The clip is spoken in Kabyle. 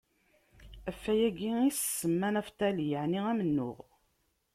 Ɣef wayagi i s-tsemma Naftali, yeɛni amennuɣ.